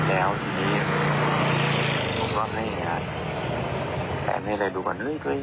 แล้วทีนี้ผมก็ไม่อยากแปมให้ใครดูก่อน